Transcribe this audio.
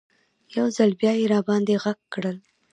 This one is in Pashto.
یو ځل بیا یې راباندې غږ کړل.